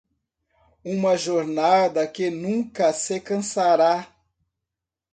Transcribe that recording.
uma jornada que nunca se cansará